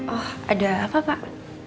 oh ada apa pak